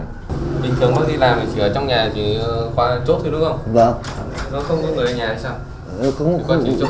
bình thường bác đi làm thì chỉ ở trong nhà thì chốt thôi đúng không